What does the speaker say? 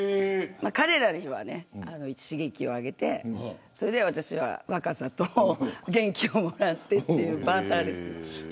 彼らに刺激をあげて私は若さと元気をもらっているというバーターです。